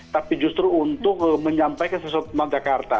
tapi justru untuk menyampaikan sesuatu tentang jakarta